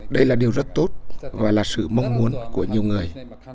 đây là điều rất tốt và là sự mong muốn của nhiều người